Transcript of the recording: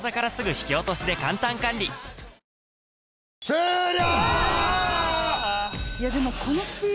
終了